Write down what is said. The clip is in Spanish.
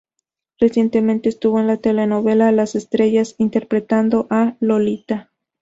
Recientemente estuvo en la telenovela "Las Estrellas" interpretando a Lolita.